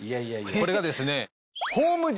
これがですね。